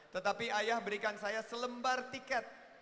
tetapi ayah berikan saya selembar tiket